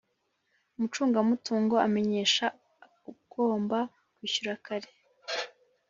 Umucungamutungo amenyesha ugomba kwishyura kare